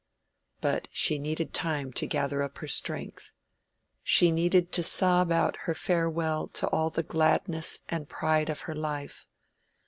But she needed time to gather up her strength; she needed to sob out her farewell to all the gladness and pride of her life.